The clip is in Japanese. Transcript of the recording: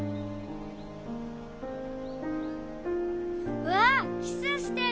・うわぁキスしてる！